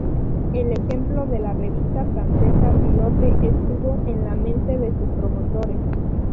El ejemplo de la revista francesa Pilote estuvo en la mente de sus promotores.